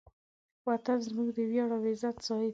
وطن زموږ د ویاړ او عزت ځای دی.